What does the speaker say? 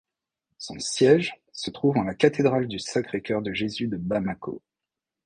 Son siège se trouve en la cathédrale du Sacré-Cœur-de-Jésus de Bamako.